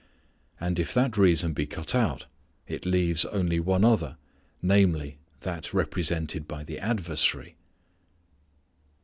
And if that reason be cut out it leaves only one other, namely, that represented by the adversary.